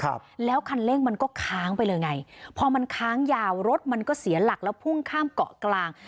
ครับแล้วคันเร่งมันก็ค้างไปเลยไงพอมันค้างยาวรถมันก็เสียหลักแล้วพุ่งข้ามเกาะกลาง